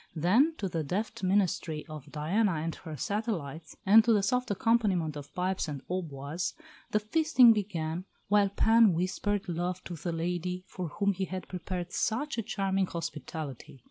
Then, to the deft ministry of Diana and her satellites, and to the soft accompaniment of pipes and hautboys, the feasting began, while Pan whispered love to the lady for whom he had prepared such a charming hospitality.